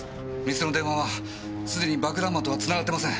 店の電話はすでに爆弾魔とは繋がってません。